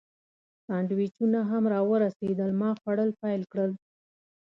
سانډویچونه هم راورسېدل، ما خوړل پیل کړل.